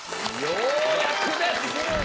ようやくです！